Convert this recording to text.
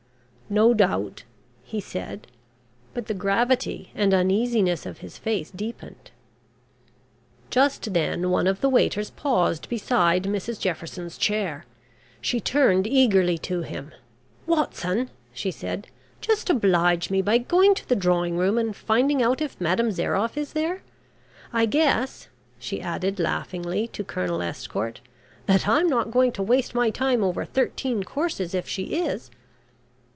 "No doubt," he said. But the gravity and uneasiness of his face deepened. Just then one of the waiters paused beside Mrs Jefferson's chair. She turned eagerly to him. "Watson," she said, "just oblige me by going to the drawing room and finding out if Madame Zairoff is there. I guess," she added laughingly to Colonel Estcourt, "that I'm not going to waste my time over thirteen courses if she is."